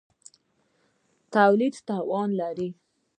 د تولید توان لري.